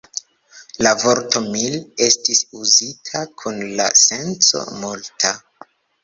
La vorto "mil" estis uzita kun la senco "multa".